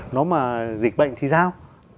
nó mà dịch bệnh thì sao